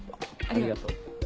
ありがとう。